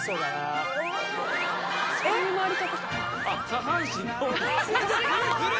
下半身のみ。